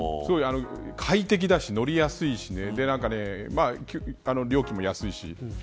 快適だし乗りやすいし料金も安いし。